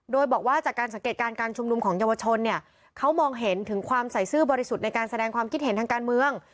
โดยบอกว่าจากการสังเกตการณ์การชุมนุมของเยาวชนเนี่ยเขามองเห็นถึงความใส่ซื่อบริสุทธิ์ในการแสดงความคิดเห็นทางการเมือง